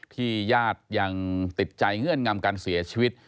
ญาติยังติดใจเงื่อนงำการเสียชีวิต